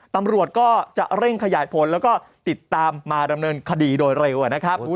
ตำรวจก็จะเร่งขยายผลแล้วก็ติดตามมาดำเนินคดีโดยเร็วนะครับ